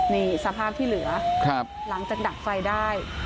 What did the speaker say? นี่สภาพที่เหลือหลังจากดับไฟได้